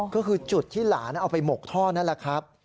ก็คือจุดที่หลานเอาไปหมกท่อนั่นแหละครับ